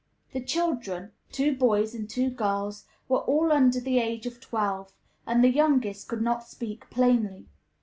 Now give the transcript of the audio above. The children two boys and two girls were all under the age of twelve, and the youngest could not speak plainly.